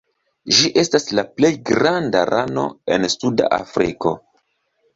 Ĝi estas la plej granda rano en Suda Afriko.